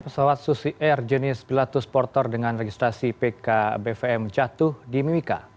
pesawat susi air jenis pilatus porter dengan registrasi pkbvm jatuh di mimika